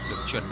được chuẩn bị